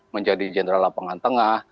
menjadi general lapangan tengah